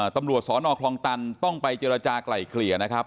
ตำรวจสนคลองตันต้องไปเจรจากลายเกลี่ยนะครับ